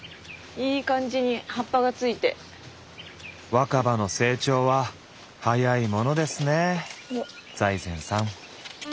若葉の成長は早いものですね財前さん。